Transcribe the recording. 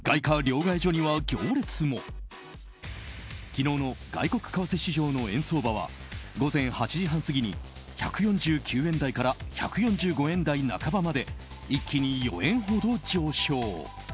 昨日の外国為替市場の円相場は午前８時半過ぎに１４９円台から１４５円台半ばまで一気に４円ほど上昇。